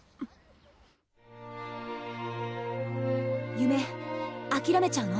夢諦めちゃうの？